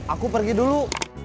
aku pergi dulu